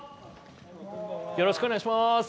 よろしくお願いします。